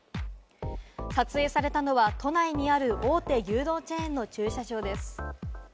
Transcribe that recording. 撮影されたのは都内にある大手牛丼チェーンの駐車場です。